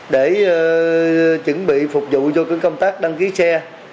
để chuẩn bị phục vụ cho công tác đăng ký xe